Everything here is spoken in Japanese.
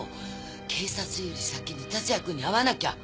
警察より先に達也君に会わなきゃ！